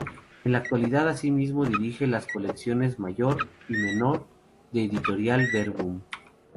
En la actualidad asimismo dirige las colecciones "Mayor" y "Menor" de Editorial Verbum.